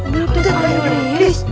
belum kejadian liris